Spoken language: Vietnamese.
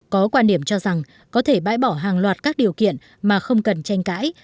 có quan điểm cho rằng có thể bãi bỏ hàng loạt các điều kiện mà không cần tranh cãi